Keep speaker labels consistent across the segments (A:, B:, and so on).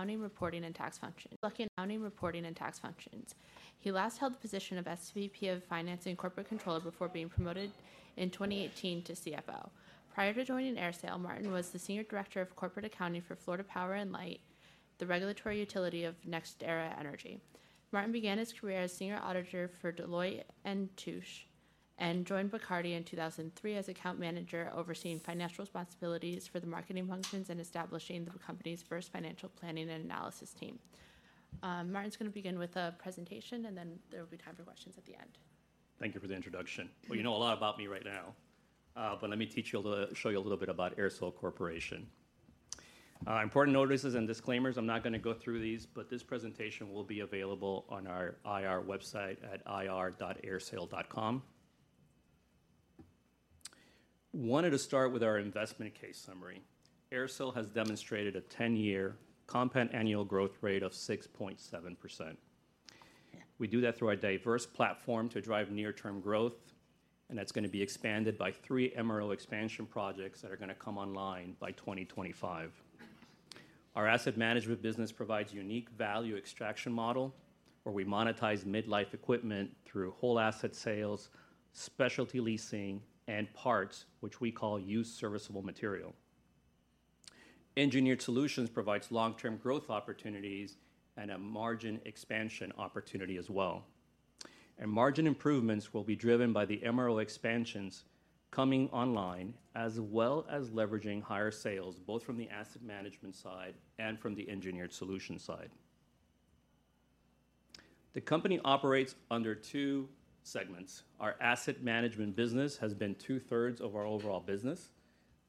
A: Accounting, reporting, and tax functions. He last held the position of SVP of Finance and Corporate Controller before being promoted in 2018 to CFO. Prior to joining AerSale, Martin was the Senior Director of Corporate Accounting for Florida Power & Light, the regulated utility of NextEra Energy. Martin began his career as Senior Auditor for Deloitte & Touche, and joined Bacardi in 2003 as Account Manager, overseeing financial responsibilities for the marketing functions and establishing the company's first financial planning and analysis team. Martin's gonna begin with a presentation, and then there will be time for questions at the end.
B: Thank you for the introduction. Well, you know a lot about me right now, but let me show you a little bit about AerSale Corporation. Important notices and disclaimers, I'm not gonna go through these, but this presentation will be available on our IR website at ir.airsale.com. Wanted to start with our investment case summary. AerSale has demonstrated a 10-year compound annual growth rate of 6.7%. We do that through our diverse platform to drive near-term growth, and that's gonna be expanded by three MRO expansion projects that are gonna come online by 2025. Our asset management business provides unique value extraction model, where we monetize mid-life equipment through whole asset sales, specialty leasing, and parts, which we call used serviceable material. Engineered Solutions provides long-term growth opportunities and a margin expansion opportunity as well. Margin improvements will be driven by the MRO expansions coming online, as well as leveraging higher sales, both from the asset management side and from the engineered solution side. The company operates under two segments. Our asset management business has been two-thirds of our overall business.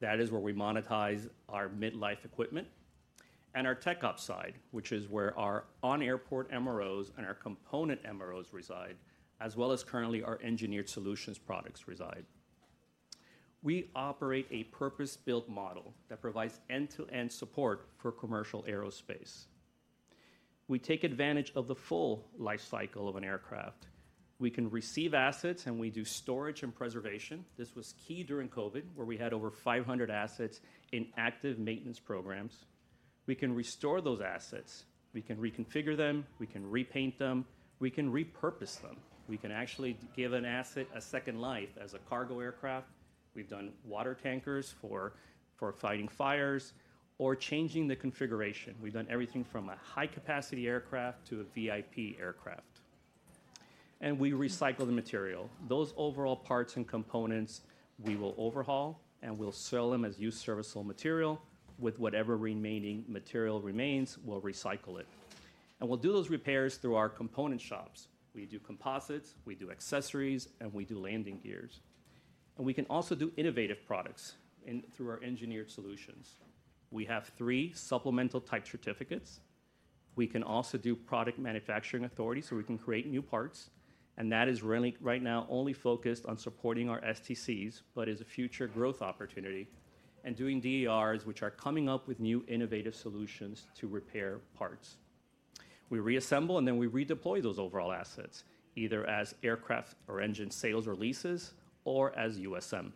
B: That is where we monetize our mid-life equipment. Our TechOps side, which is where our on-airport MROs and our component MROs reside, as well as currently our Engineered Solutions products reside. We operate a purpose-built model that provides end-to-end support for commercial aerospace. We take advantage of the full life cycle of an aircraft. We can receive assets, and we do storage and preservation. This was key during COVID, where we had over 500 assets in active maintenance programs. We can restore those assets. We can reconfigure them, we can repaint them, we can repurpose them. We can actually give an asset a second life as a cargo aircraft. We've done water tankers for fighting fires or changing the configuration. We've done everything from a high-capacity aircraft to a VIP aircraft. And we recycle the material. Those overall parts and components, we will overhaul, and we'll sell them as used serviceable material. With whatever remaining material remains, we'll recycle it, and we'll do those repairs through our component shops. We do composites, we do accessories, and we do landing gears. And we can also do innovative products through our engineered solutions. We have three supplemental type certificates. We can also do product manufacturing authority, so we can create new parts, and that is really, right now only focused on supporting our STCs, but is a future growth opportunity, and doing DERs, which are coming up with new innovative solutions to repair parts. We reassemble, and then we redeploy those overall assets, either as aircraft or engine sales or leases, or as USM.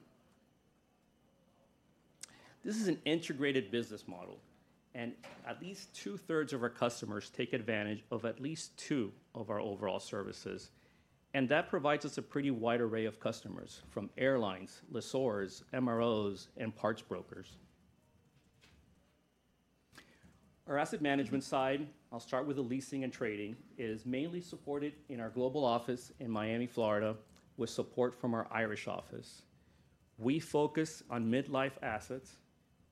B: This is an integrated business model, and at least two-thirds of our customers take advantage of at least two of our overall services, and that provides us a pretty wide array of customers, from airlines, lessors, MROs, and parts brokers. Our asset management side, I'll start with the leasing and trading, is mainly supported in our global office in Miami, Florida, with support from our Irish office. We focus on mid-life assets.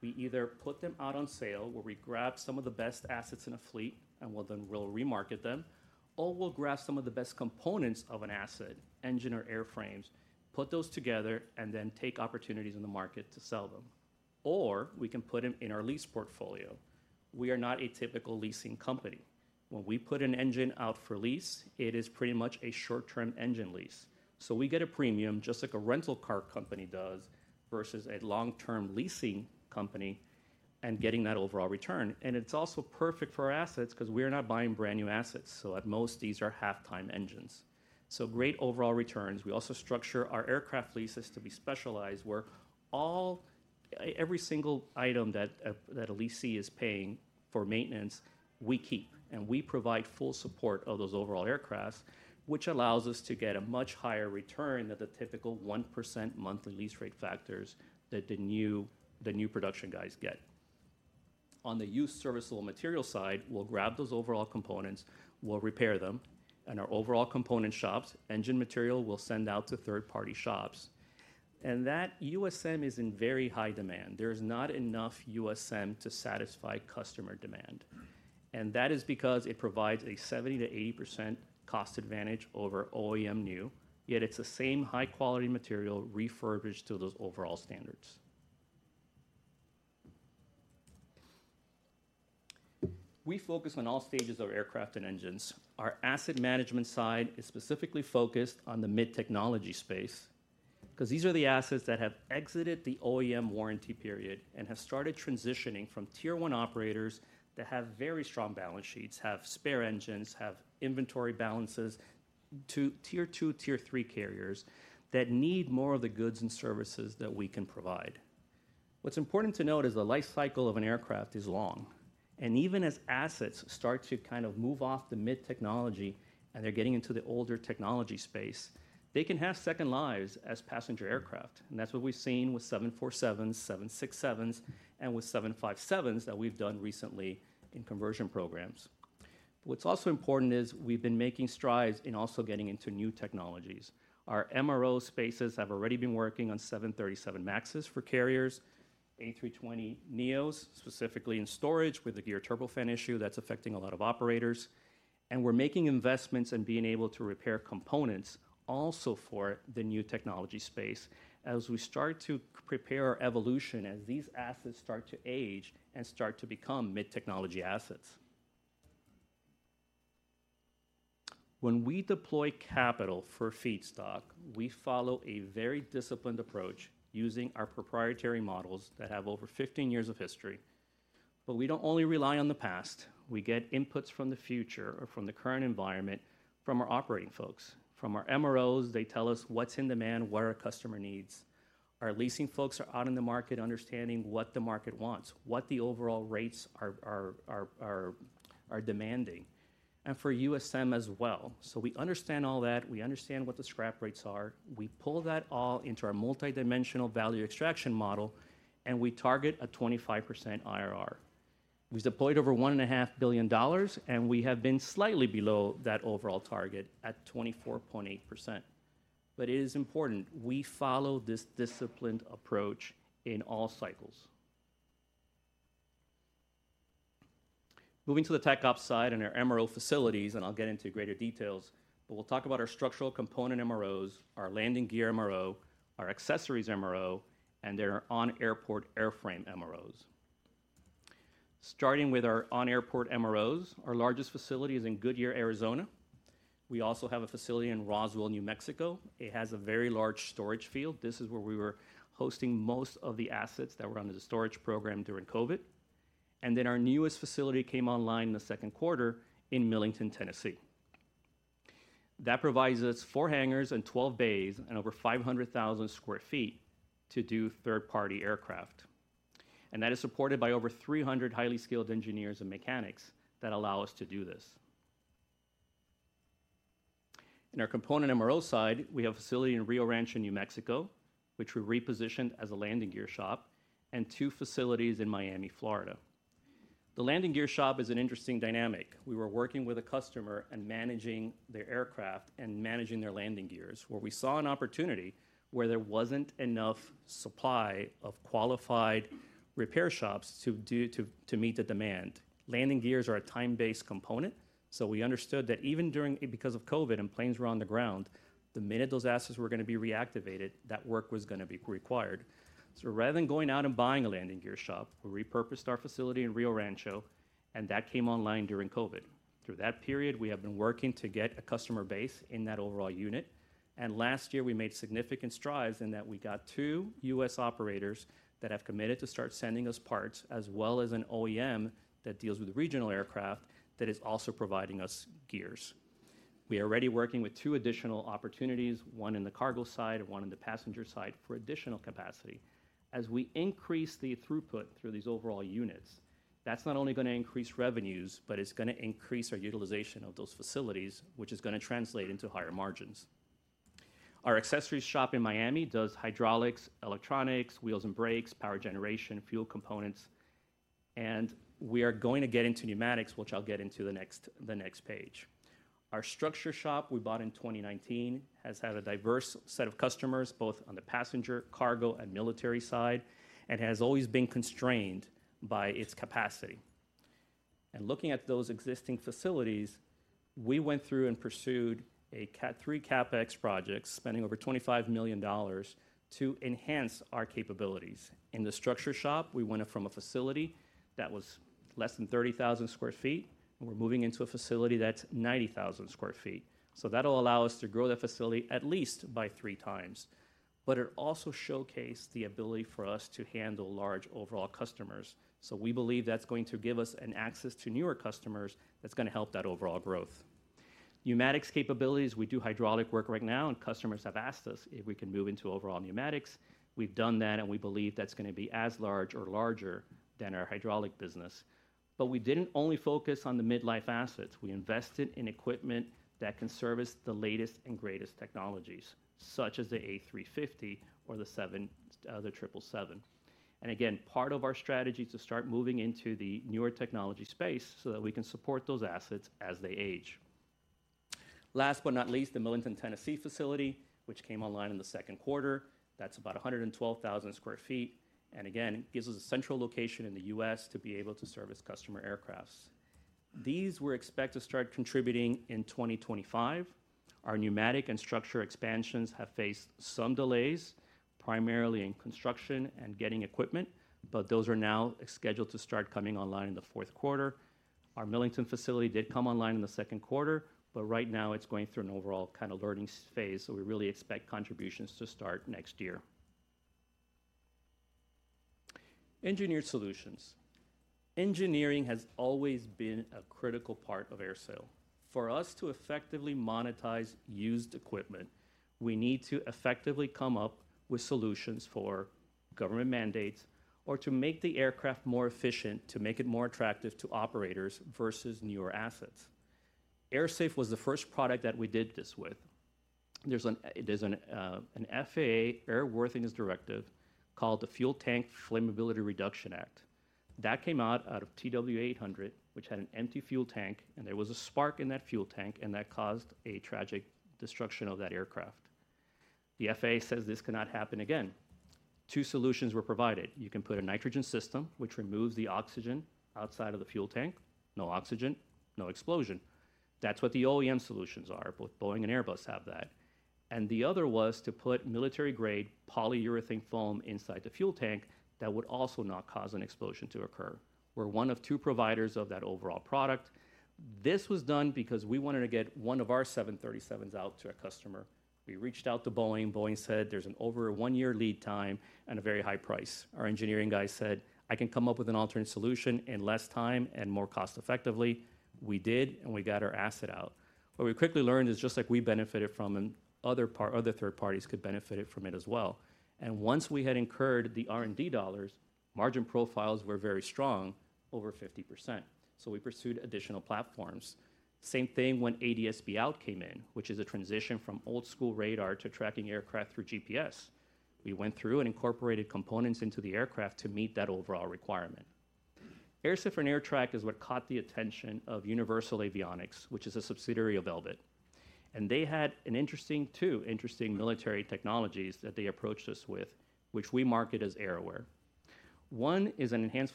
B: We either put them out on sale, where we grab some of the best assets in a fleet, and we'll then remarket them. Or we'll grab some of the best components of an asset, engine or airframes, put those together, and then take opportunities in the market to sell them. Or we can put them in our lease portfolio. We are not a typical leasing company. When we put an engine out for lease, it is pretty much a short-term engine lease. So we get a premium, just like a rental car company does, versus a long-term leasing company, and getting that overall return. And it's also perfect for our assets, 'cause we're not buying brand-new assets, so at most, these are halftime engines. So great overall returns. We also structure our aircraft leases to be specialized, where every single item that a lessee is paying for maintenance, we keep, and we provide full support of those overall aircraft, which allows us to get a much higher return than the typical 1% monthly lease rate factors that the new, the new production guys get. On the used serviceable material side, we'll grab those overhaul components, we'll repair them in our overhaul component shops. Engine material, we'll send out to third-party shops. And that USM is in very high demand. There's not enough USM to satisfy customer demand, and that is because it provides a 70%-80% cost advantage over OEM new, yet it's the same high-quality material, refurbished to those overhaul standards. We focus on all stages of aircraft and engines. Our asset management side is specifically focused on the mid-life space, 'cause these are the assets that have exited the OEM warranty period and have started transitioning from tier one operators that have very strong balance sheets, have spare engines, have inventory balances to tier two, tier three carriers that need more of the goods and services that we can provide. What's important to note is the life cycle of an aircraft is long, and even as assets start to kind of move off the mid technology, and they're getting into the older technology space, they can have second lives as passenger aircraft, and that's what we've seen with 747s, 767s, and with 757s that we've done recently in conversion programs. What's also important is we've been making strides in also getting into new technologies. Our MRO spaces have already been working on 737 MAXes for carriers, A320neos, specifically in storage, with the geared turbofan issue that's affecting a lot of operators, and we're making investments and being able to repair components also for the new technology space as we start to prepare our evolution, as these assets start to age and start to become mid-technology assets. When we deploy capital for feedstock, we follow a very disciplined approach using our proprietary models that have over fifteen years of history. But we don't only rely on the past. We get inputs from the future or from the current environment, from our operating folks, from our MROs. They tell us what's in demand, what our customer needs. Our leasing folks are out in the market understanding what the market wants, what the overall rates are demanding, and for USM as well. So we understand all that. We understand what the scrap rates are. We pull that all into our multidimensional value extraction model, and we target a 25% IRR. We've deployed over $1.5 billion, and we have been slightly below that overall target at 24.8%. But it is important we follow this disciplined approach in all cycles. Moving to the TechOps side and our MRO facilities, and I'll get into greater details, but we'll talk about our structural component MROs, our landing gear MRO, our accessories MRO, and our on-airport airframe MROs. Starting with our on-airport MROs, our largest facility is in Goodyear, Arizona. We also have a facility in Roswell, New Mexico. It has a very large storage field. This is where we were hosting most of the assets that were under the storage program during COVID. And then our newest facility came online in the Q2 in Millington, Tennessee. That provides us four hangars and 12 bays and over 500,000 sq ft to do third-party aircraft. And that is supported by over 300 highly skilled engineers and mechanics that allow us to do this. In our component MRO side, we have a facility in Rio Rancho, New Mexico, which we repositioned as a landing gear shop, and two facilities in Miami, Florida. The landing gear shop is an interesting dynamic. We were working with a customer and managing their aircraft and managing their landing gears, where we saw an opportunity where there wasn't enough supply of qualified repair shops to meet the demand. Landing gears are a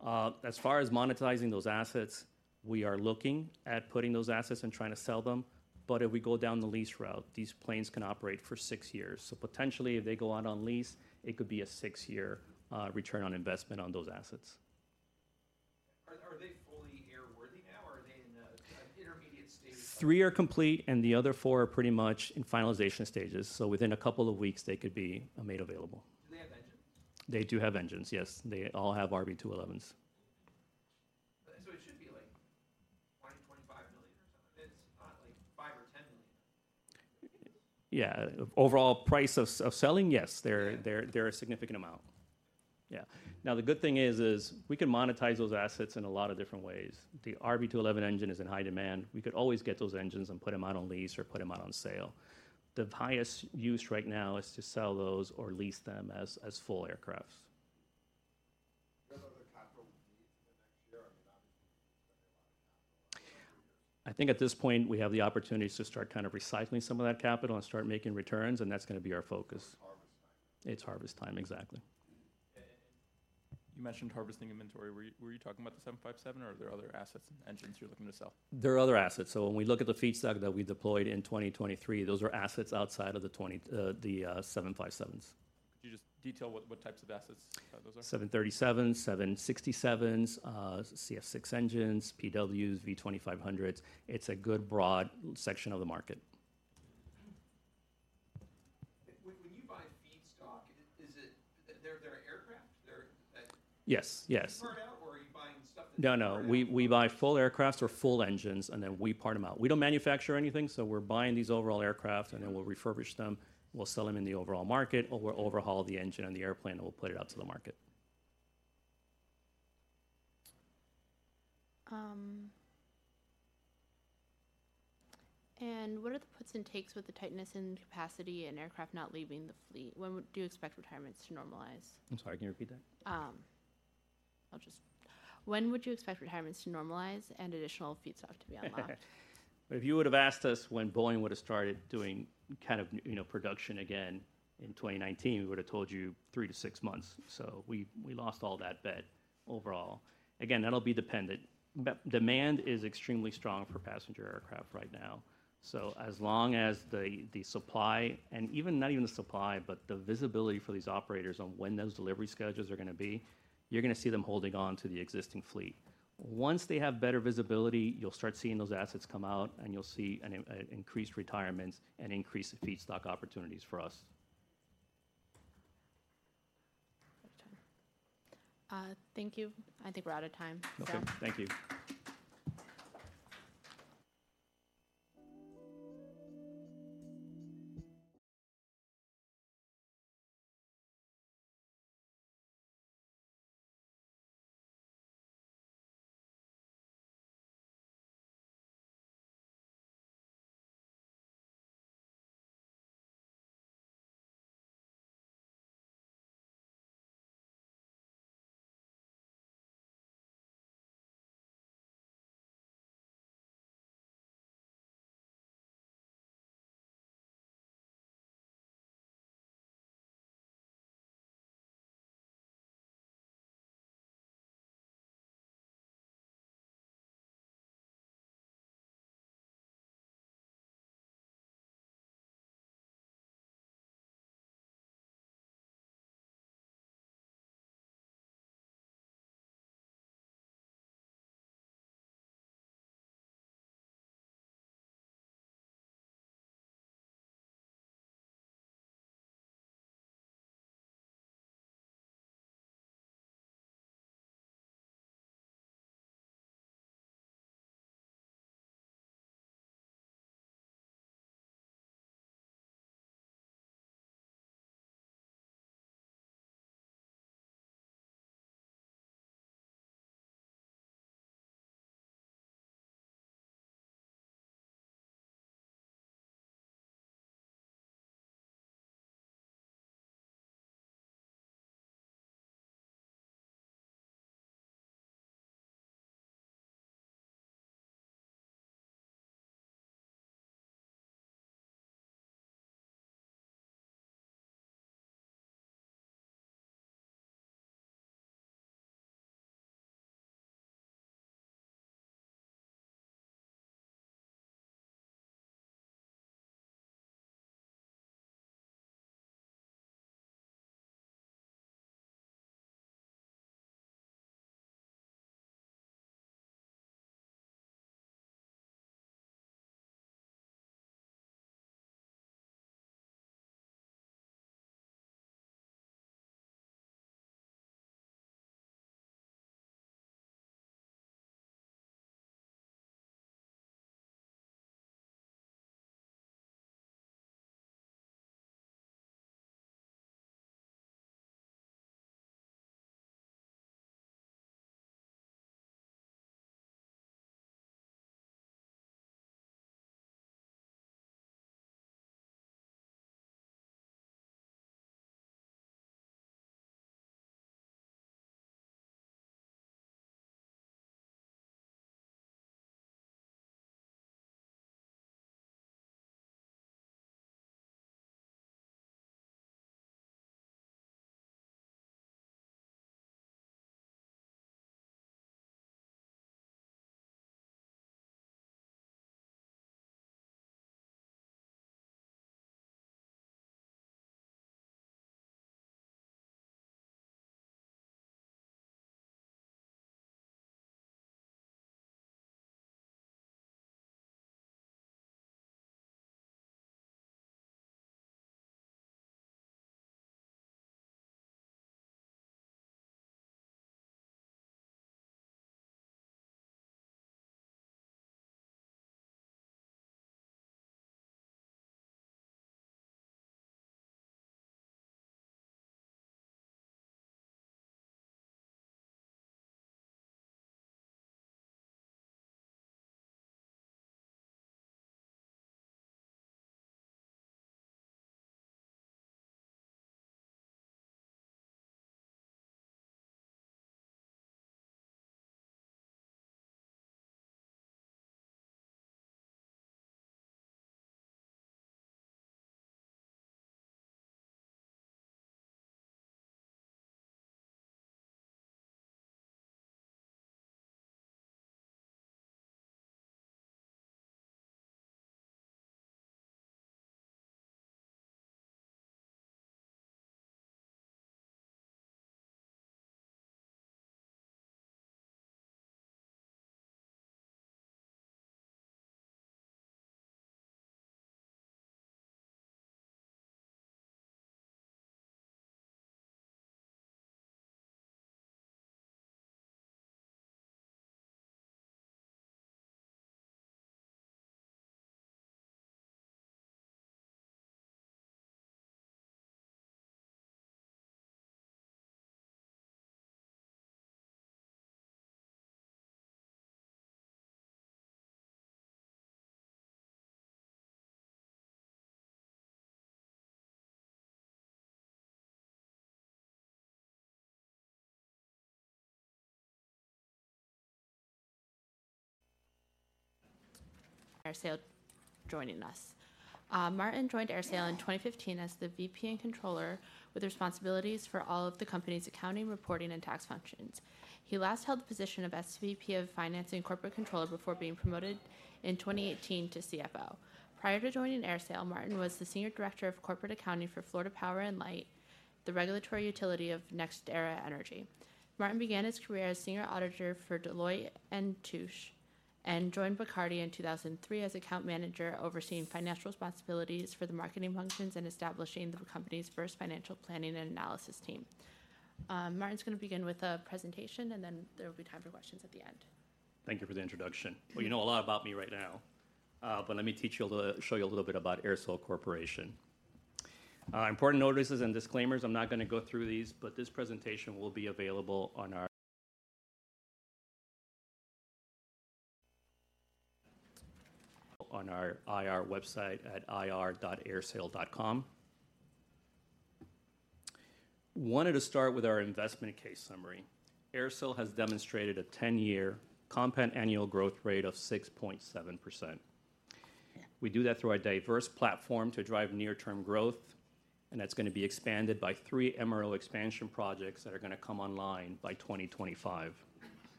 B: time-based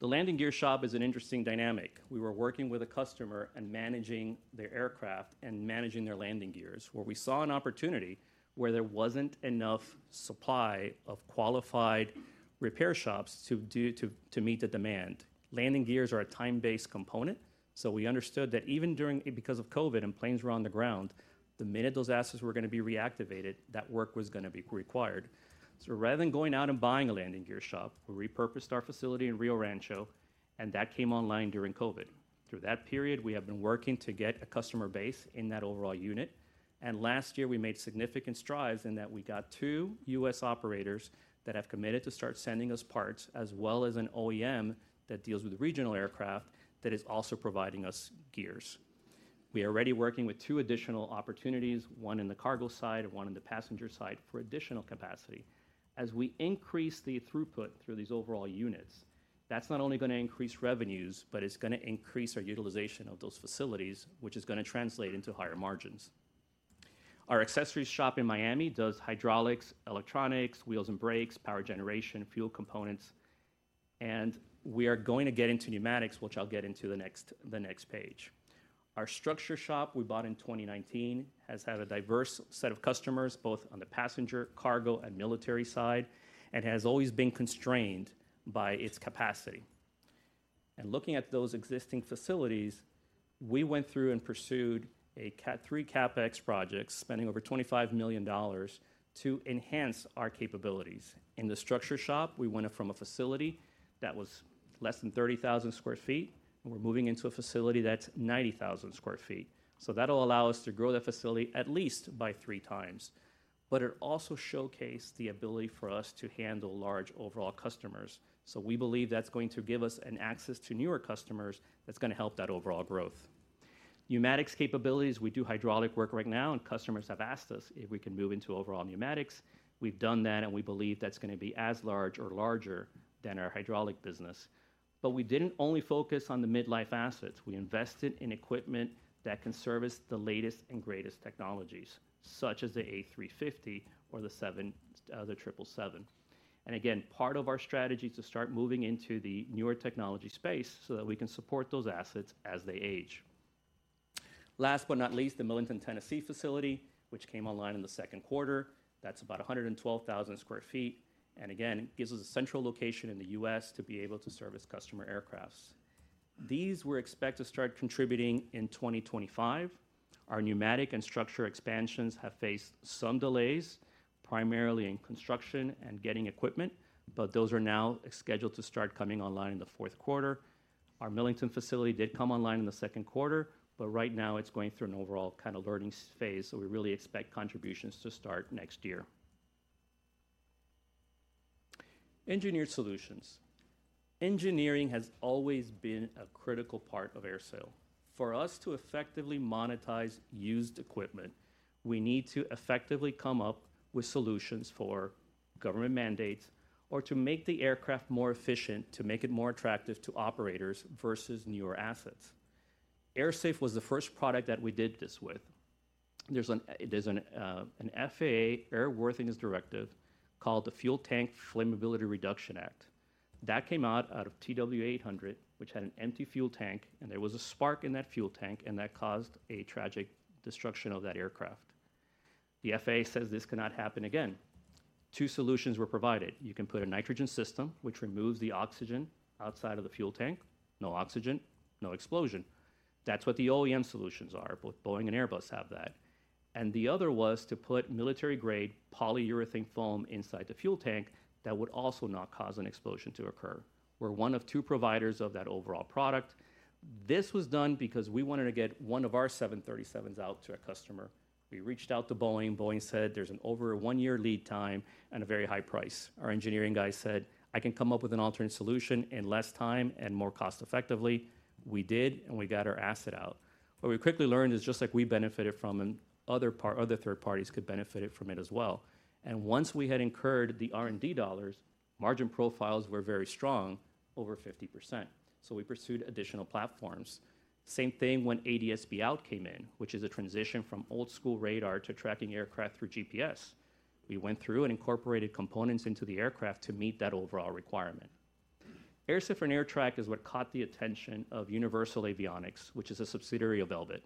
B: component, so we understood that even during, because of COVID and planes were on the ground, the minute those assets were going to be reactivated, that work was going to be required. So rather than going out and buying a landing gear shop, we repurposed our facility in Rio Rancho, and that came online during COVID. Through that period, we have been working to get a customer base in that overall unit, and last year we made significant strides in that we got two U.S. operators that have committed to start sending us parts, as well as an OEM that deals with regional aircraft that is also providing us gears. We are already working with two additional opportunities, one in the cargo side and one in the passenger side, for additional capacity. As we increase the throughput through these overall units, that's not only going to increase revenues, but it's going to increase our utilization of those facilities, which is going to translate into higher margins. Our accessories shop in Miami does hydraulics, electronics, wheels and brakes, power generation, fuel components, and we are going to get into pneumatics, which I'll get into the next page. Our structures shop we bought in 2019 has had a diverse set of customers, both on the passenger, cargo, and military side, and has always been constrained by its capacity. And looking at those existing facilities, we went through and pursued three CapEx projects, spending over $25 million to enhance our capabilities. In the structures shop, we went in from a facility that was less than 30,000 sq ft, and we're moving into a facility that's 90,000 sq ft. So that'll allow us to grow that facility at least by three times. But it also showcased the ability for us to handle large overhaul customers. So we believe that's going to give us an access to newer customers that's going to help that overall growth. Pneumatics capabilities, we do hydraulic work right now, and customers have asked us if we can move into overall pneumatics. We've done that, and we believe that's going to be as large or larger than our hydraulic business. But we didn't only focus on the mid-life assets. We invested in equipment that can service the latest and greatest technologies, such as the A350 or the seven, the 777. And again, part of our strategy to start moving into the newer technology space so that we can support those assets as they age. Last but not least, the Millington, Tennessee, facility, which came online in the Q2. That's about 112,000 sq ft, and again, gives us a central location in the US to be able to service customer aircrafts. These we expect to start contributing in 2025. Our pneumatic and structure expansions have faced some delays, primarily in construction and getting equipment, but those are now scheduled to start coming online in the Q4. Our Millington facility did come online in the Q2, but right now it's going through an overall kind of learning phase, so we really expect contributions to start next year. Engineered solutions. Engineering has always been a critical part of AerSale. For us to effectively monetize used equipment, we need to effectively come up with solutions for government mandates or to make the aircraft more efficient, to make it more attractive to operators versus newer assets. AerSafe was the first product that we did this with. There's an FAA Airworthiness Directive called the Fuel Tank Flammability Reduction Act. That came out of TWA 800, which had an empty fuel tank, and there was a spark in that fuel tank, and that caused a tragic destruction of that aircraft. The FAA says this cannot happen again. Two solutions were provided. You can put a nitrogen system, which removes the oxygen outside of the fuel tank. No oxygen, no explosion. That's what the OEM solutions are. Both Boeing and Airbus have that. And the other was to put military-grade polyurethane foam inside the fuel tank that would also not cause an explosion to occur. We're one of two providers of that overall product. This was done because we wanted to get one of our 737s out to a customer. We reached out to Boeing. Boeing said, "There's an over one-year lead time and a very high price." Our engineering guy said, "I can come up with an alternate solution in less time and more cost-effectively." We did, and we got our asset out. What we quickly learned is just like we benefited from it, other third parties could benefit from it as well, and once we had incurred the R&D dollars, margin profiles were very strong, over 50%, so we pursued additional platforms. Same thing when ADS-B Out came in, which is a transition from old-school radar to tracking aircraft through GPS. We went through and incorporated components into the aircraft to meet that overall requirement. AerSafe and AerTrak is what caught the attention of Universal Avionics, which is a subsidiary of Elbit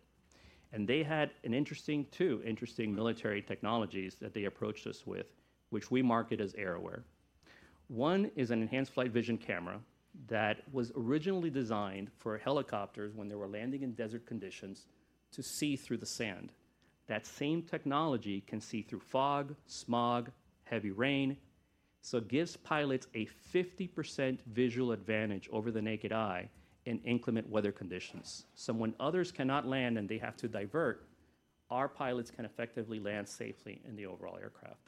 B: Systems. They had two interesting military technologies that they approached us with, which we market as AerAware. One is an enhanced flight vision camera that was originally designed for helicopters when they were landing in desert conditions to see through the sand. That same technology can see through fog, smog, heavy rain, so it gives pilots a 50% visual advantage over the naked eye in inclement weather conditions. So when others cannot land and they have to divert, our pilots can effectively land safely in the overall aircraft.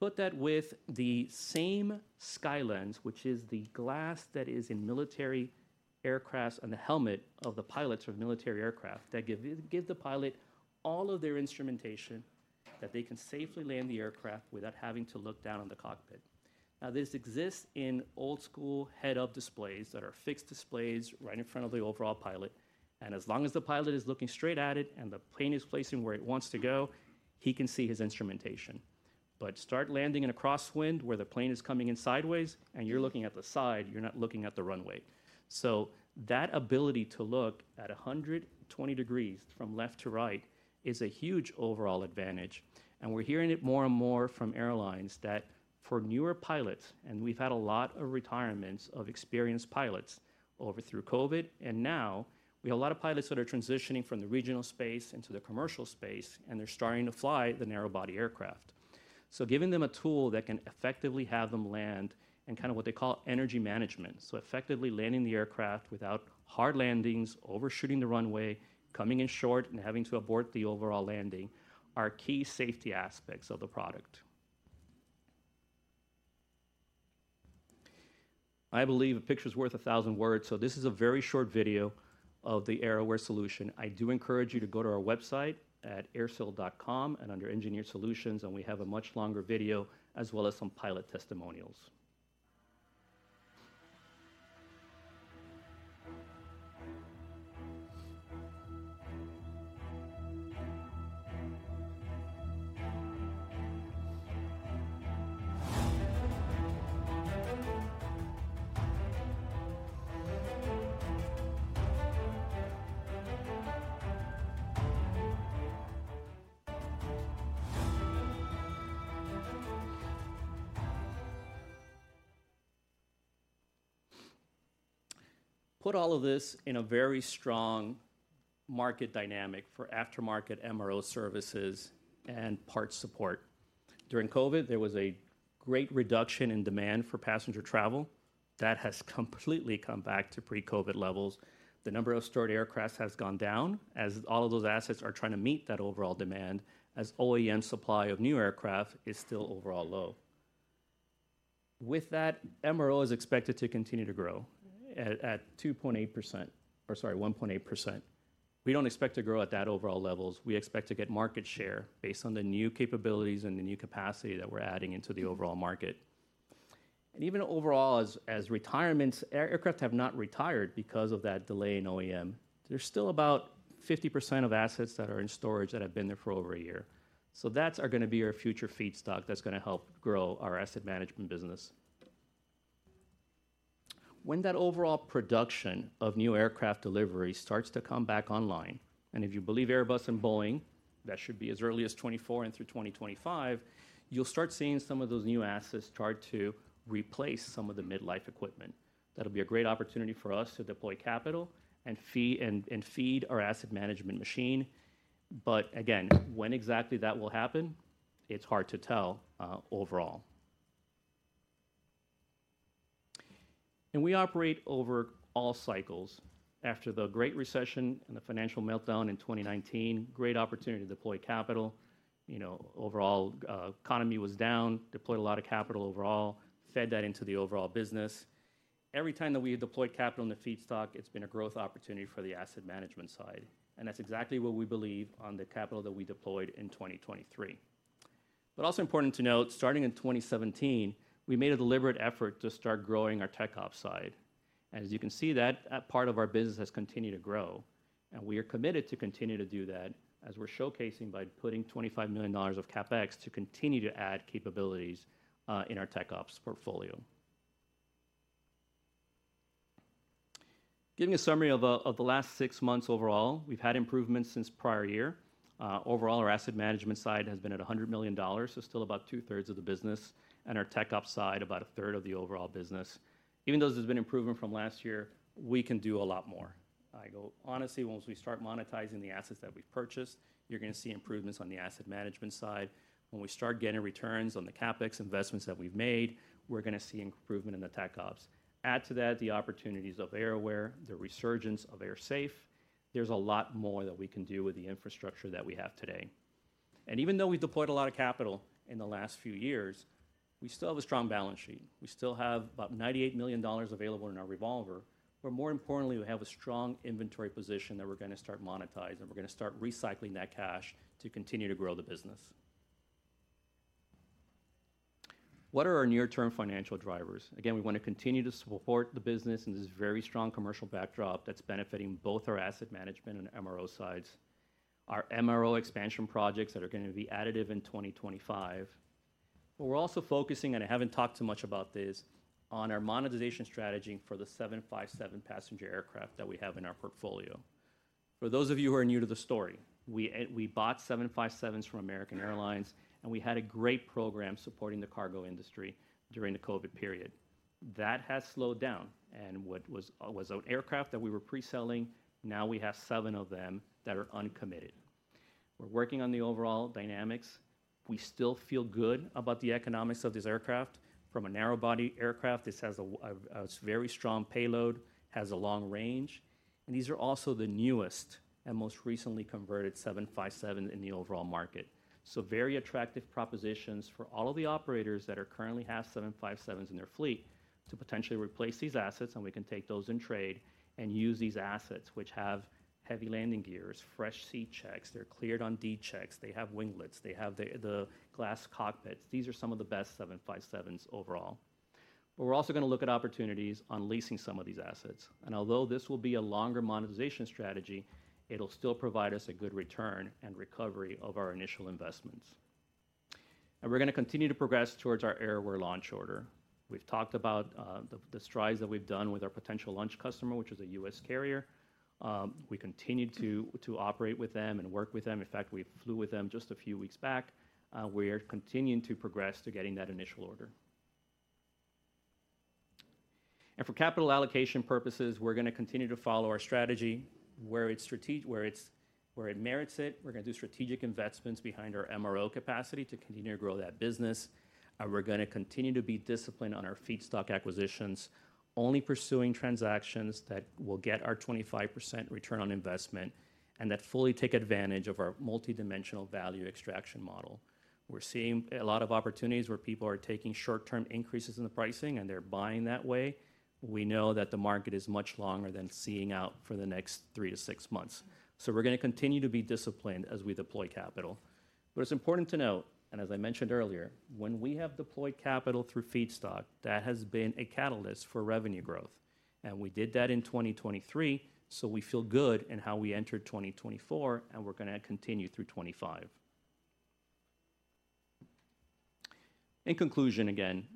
B: Put that with the same SkyLens, which is the glass that is in military aircraft on the helmet of the pilots of military aircraft, that give the pilot all of their instrumentation that they can safely land the aircraft without having to look down on the cockpit. Now, this exists in old-school head-up displays that are fixed displays right in front of the pilot, and as long as the pilot is looking straight at it and the plane is pointing where it wants to go, he can see his instrumentation. But start landing in a crosswind where the plane is coming in sideways and you're looking at the side, you're not looking at the runway. So that ability to look at a 120 degrees from left to right is a huge overall advantage, and we're hearing it more and more from airlines that for newer pilots, and we've had a lot of retirements of experienced pilots over through COVID, and now we have a lot of pilots that are transitioning from the regional space into the commercial space, and they're starting to fly the narrow-body aircraft. So giving them a tool that can effectively have them land in kind of what they call energy management, so effectively landing the aircraft without hard landings, overshooting the runway, coming in short, and having to abort the overall landing, are key safety aspects of the product. I believe a picture's worth a thousand words, so this is a very short video of the AerAware solution. I do encourage you to go to our website at aersale.com and under Engineered Solutions, and we have a much longer video as well as some pilot testimonials. Put all of this in a very strong market dynamic for aftermarket MRO services and parts support. During COVID, there was a great reduction in demand for passenger travel. That has completely come back to pre-COVID levels. The number of stored aircraft has gone down as all of those assets are trying to meet that overall demand, as OEM supply of new aircraft is still overall low. With that, MRO is expected to continue to grow at 2.8%, or sorry, 1.8%. We don't expect to grow at that overall levels. We expect to get market share based on the new capabilities and the new capacity that we're adding into the overall market. Even overall, as retirements, aircraft have not retired because of that delay in OEM. There's still about 50% of assets that are in storage that have been there for over a year. So that are gonna be our future feedstock that's gonna help grow our asset management business. When that overall production of new aircraft delivery starts to come back online, and if you believe Airbus and Boeing, that should be as early as 2024 and through 2025, you'll start seeing some of those new assets start to replace some of the mid-life equipment. That'll be a great opportunity for us to deploy capital and feed our asset management machine. But again, when exactly that will happen, it's hard to tell, overall. We operate over all cycles. After the Great Recession and the financial meltdown in 2019, great opportunity to deploy capital. You know, overall, economy was down, deployed a lot of capital overall, fed that into the overall business. Every time that we deployed capital in the feedstock, it's been a growth opportunity for the asset management side, and that's exactly what we believe on the capital that we deployed in 2023. But also important to note, starting in 2017, we made a deliberate effort to start growing our Tech Op side. As you can see, that part of our business has continued to grow, and we are committed to continue to do that, as we're showcasing by putting $25 million of CapEx to continue to add capabilities in our Tech Ops portfolio. Giving a summary of the last six months overall, we've had improvements since prior year. Overall, our asset management side has been at $100 million, so still about two-thirds of the business, and our Tech Op side, about a third of the overall business. Even though there's been improvement from last year, we can do a lot more. Honestly, once we start monetizing the assets that we've purchased, you're gonna see improvements on the asset management side. When we start getting returns on the CapEx investments that we've made, we're gonna see improvement in the Tech Ops. Add to that, the opportunities of AerAware, the resurgence of AerSafe. There's a lot more that we can do with the infrastructure that we have today. Even though we deployed a lot of capital in the last few years, we still have a strong balance sheet. We still have about $98 million available in our revolver, but more importantly, we have a strong inventory position that we're gonna start monetizing, and we're gonna start recycling that cash to continue to grow the business. What are our near-term financial drivers? Again, we want to continue to support the business in this very strong commercial backdrop that's benefiting both our asset management and MRO sides. Our MRO expansion projects that are gonna be additive in 2025. But we're also focusing, and I haven't talked too much about this, on our monetization strategy for the 757 passenger aircraft that we have in our portfolio. For those of you who are new to the story, we bought 757s from American Airlines, and we had a great program supporting the cargo industry during the COVID period. That has slowed down, and what was an aircraft that we were pre-selling, now we have seven of them that are uncommitted. We're working on the overall dynamics. We still feel good about the economics of this aircraft. From a narrow-body aircraft, this has a very strong payload, has a long range, and these are also the newest and most recently converted 757 in the overall market. So very attractive propositions for all of the operators that are currently have 757s in their fleet to potentially replace these assets, and we can take those in trade and use these assets, which have heavy landing gears, fresh C checks, they're cleared on D checks, they have winglets, they have the glass cockpits. These are some of the best 757s overall. But we're also gonna look at opportunities on leasing some of these assets, and although this will be a longer monetization strategy, it'll still provide us a good return and recovery of our initial investments, and we're gonna continue to progress towards our AerAware launch order. We've talked about the strides that we've done with our potential launch customer, which is a U.S. carrier. We continue to operate with them and work with them. In fact, we flew with them just a few weeks back. We are continuing to progress to getting that initial order. And for capital allocation purposes, we're gonna continue to follow our strategy, where it merits it. We're gonna do strategic investments behind our MRO capacity to continue to grow that business. We're gonna continue to be disciplined on our feedstock acquisitions, only pursuing transactions that will get our 25% ROI and that fully take advantage of our multidimensional value extraction model. We're seeing a lot of opportunities where people are taking short-term increases in the pricing, and they're buying that way. We know that the market is much longer than seeing out for the next three to six months. So we're gonna continue to be disciplined as we deploy capital. But it's important to note, and as I mentioned earlier, when we have deployed capital through feedstock, that has been a catalyst for revenue growth, and we did that in 2023, so we feel good in how we entered 2024, and we're gonna continue through 2025. In conclusion, again,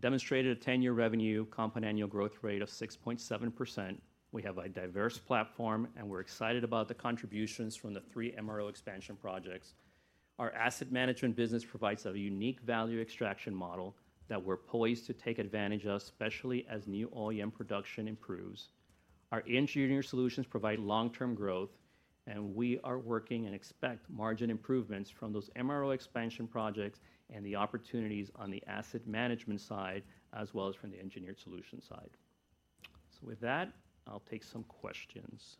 B: demonstrated a 10-year revenue compound annual growth rate of 6.7%. We have a diverse platform, and we're excited about the contributions from the three MRO expansion projects. Our asset management business provides a unique value extraction model that we're poised to take advantage of, especially as new OEM production improves. Our engineered solutions provide long-term growth, and we are working and expect margin improvements from those MRO expansion projects and the opportunities on the asset management side, as well as from the engineered solution side. So with that, I'll take some questions.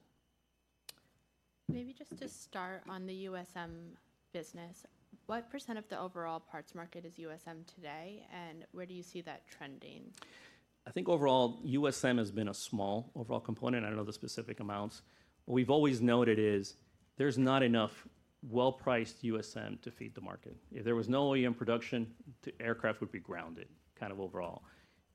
A: Maybe just to start on the USM business, what % of the overall parts market is USM today, and where do you see that trending?
B: I think overall, USM has been a small overall component. I don't know the specific amounts. What we've always noted is there's not enough well-priced USM to feed the market. If there was no OEM production, the aircraft would be grounded, kind of overall,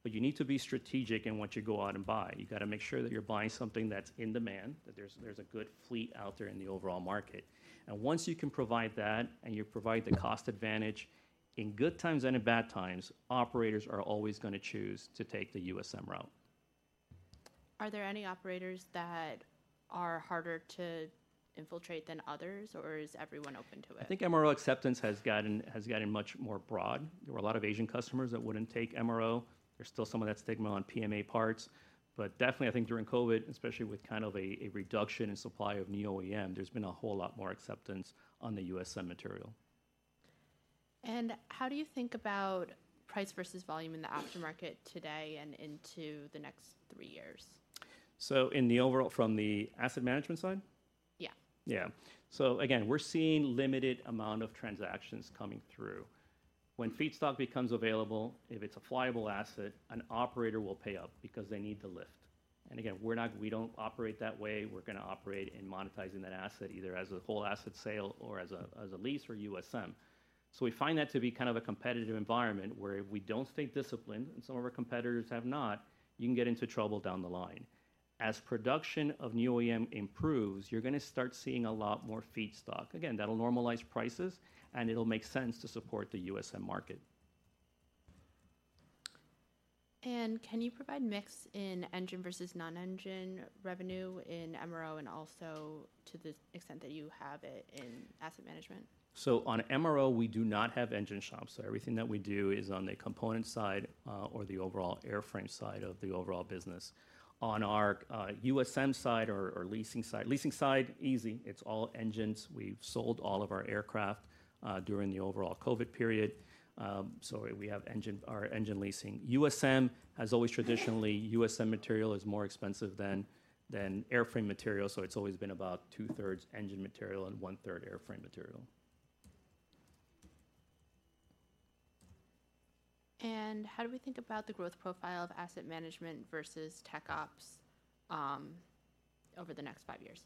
B: but you need to be strategic in what you go out and buy. You've got to make sure that you're buying something that's in demand, that there's a good fleet out there in the overall market, and once you can provide that, and you provide the cost advantage, in good times and in bad times, operators are always gonna choose to take the USM route.
A: Are there any operators that are harder to infiltrate than others, or is everyone open to it?
B: I think MRO acceptance has gotten much more broad. There were a lot of Asian customers that wouldn't take MRO. There's still some of that stigma on PMA parts, but definitely I think during COVID, especially with kind of a reduction in supply of new OEM, there's been a whole lot more acceptance on the USM material.
A: And how do you think about price versus volume in the aftermarket today and into the next three years?
B: So in the overall, from the asset management side?
A: Yeah.
B: Yeah. So again, we're seeing limited amount of transactions coming through. When feedstock becomes available, if it's a flyable asset, an operator will pay up because they need to lift. And again, we're not - we don't operate that way. We're gonna operate in monetizing that asset, either as a whole asset sale or as a, as a lease or USM. So we find that to be kind of a competitive environment, where if we don't stay disciplined, and some of our competitors have not, you can get into trouble down the line. As production of new OEM improves, you're gonna start seeing a lot more feedstock. Again, that'll normalize prices, and it'll make sense to support the USM market.
A: Can you provide mix in engine versus non-engine revenue in MRO and also, to the extent that you have it, in asset management?
B: So on MRO, we do not have engine shops, so everything that we do is on the component side or the overall airframe side of the overall business. On our USM side or leasing side. Leasing side, easy. It's all engines. We've sold all of our aircraft during the overall COVID period, so we have our engine leasing. USM has always traditionally USM material is more expensive than airframe material, so it's always been about two-thirds engine material and 1/3 airframe material.
A: How do we think about the growth profile of asset management versus Tech Ops over the next five years?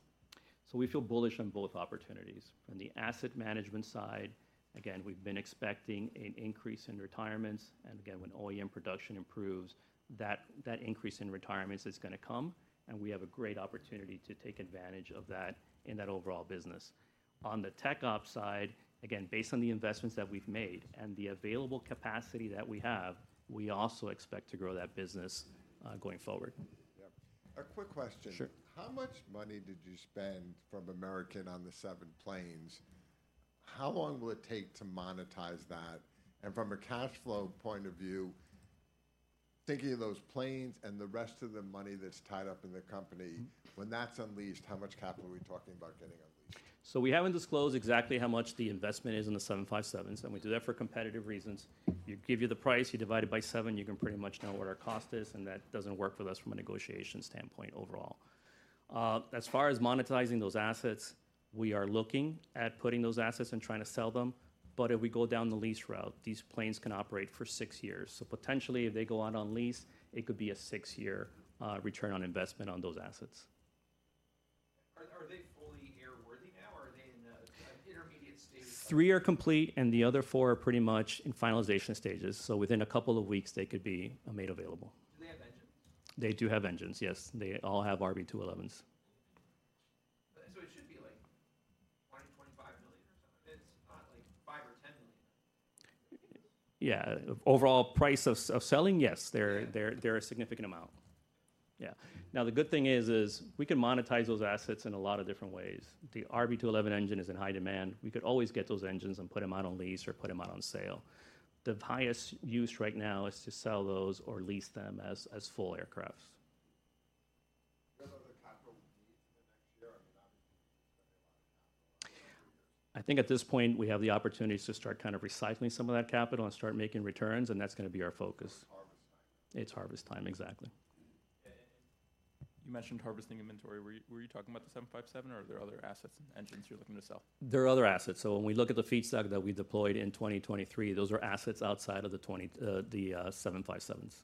B: We feel bullish on both opportunities. On the asset management side, again, we've been expecting an increase in retirements. Again, when OEM production improves, that increase in retirements is gonna come, and we have a great opportunity to take advantage of that in that overall business. On the tech op side, again, based on the investments that we've made and the available capacity that we have, we also expect to grow that business going forward.
C: Yep. A quick question.
B: Sure.
C: How much money did you spend from American on the seven planes? How long will it take to monetize that? And from a cash flow point of view, thinking of those planes and the rest of the money that's tied up in the company.
B: Mm-hmm.
C: When that's unleashed, how much capital are we talking about getting unleashed?
B: So we haven't disclosed exactly how much the investment is in the 757s, and we do that for competitive reasons. If we give you the price, you divide it by seven, you can pretty much know what our cost is, and that doesn't work for us from a negotiation standpoint overall. As far as monetizing those assets, we are looking at putting those assets and trying to sell them. But if we go down the lease route, these planes can operate for six years. So potentially, if they go out on lease, it could be a six-year return on investment on those assets.
C: Are they fully airworthy now, or are they in an intermediate stage of-
B: Three are complete, and the other four are pretty much in finalization stages. So within a couple of weeks, they could be made available.
C: Do they have engines?
B: They do have engines, yes. They all have RB211s.
C: So it should be, like, $20-$25 million or something. It's not, like, $5 or $10 million.
B: Yeah. Overall price of, of selling? Yes. They're a significant amount. Yeah. Now, the good thing is we can monetize those assets in a lot of different ways. The RB211 engine is in high demand. We could always get those engines and put them out on lease or put them out on sale. The highest use right now is to sell those or lease them as full aircraft.
C: Given the capital needs in the next year, I mean, obviously, you've spent a lot of capital on-
B: I think at this point, we have the opportunities to start kind of recycling some of that capital and start making returns, and that's gonna be our focus.
C: It's harvest time.
B: It's harvest time, exactly.
C: You mentioned harvesting inventory. Were you talking about the 757, or are there other assets and engines you're looking to sell?
B: There are other assets. So when we look at the feedstock that we deployed in 2023, those are assets outside of the 20, the 757s.
C: Could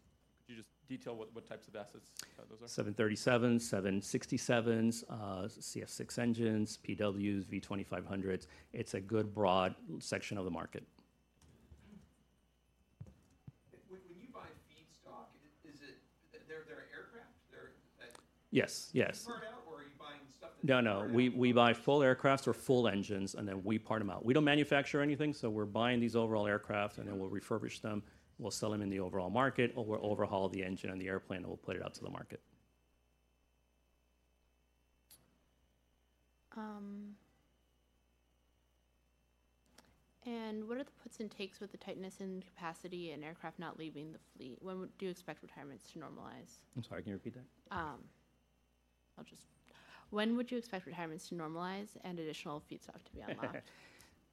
C: you just detail what types of assets those are?
B: 737s, 767s, CF6 engines, PWs, V2500s. It's a good, broad section of the market.
C: When you buy feedstock, is it -they're aircraft?
B: Yes. Yes.
C: You part out, or are you buying stuff that-
B: No, no.
C: you part out?
B: We buy full aircraft or full engines, and then we part them out. We don't manufacture anything, so we're buying these overall aircraft, and then we'll refurbish them. We'll sell them in the overall market, or we'll overhaul the engine and the airplane, and we'll put it out to the market.
A: And what are the puts and takes with the tightness in capacity and aircraft not leaving the fleet? When do you expect retirements to normalize? I'm sorry, can you repeat that? When would you expect retirements to normalize and additional feedstock to be unlocked?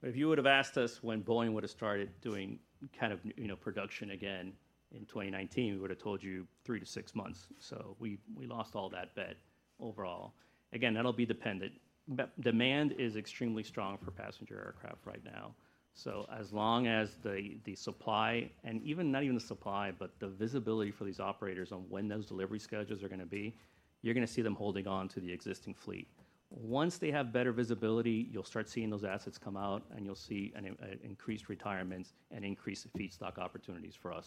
A: If you would have asked us when Boeing would have started doing you know, production again in 2019, we would have told you three to six months. So we, we lost all that bet overall. Again, that'll be dependent, but demand is extremely strong for passenger aircraft right now. So as long as the, the supply, and even not even the supply, but the visibility for these operators on when those delivery schedules are gonna be, you're gonna see them holding on to the existing fleet. Once they have better visibility, you'll start seeing those assets come out, and you'll see an increased retirements and increased feedstock opportunities for us. Out of time. Thank you. I think we're out of time, so-
B: Okay. Thank you.